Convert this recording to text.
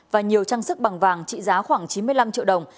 và nhiều trang sức bằng vàng trị giá khoảng chín mươi năm triệu đồng